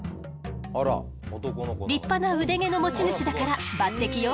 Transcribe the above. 立派な腕毛の持ち主だから抜てきよ。